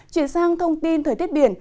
chuyển sang thông tin thời tiết biển